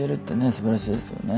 すばらしいですよね。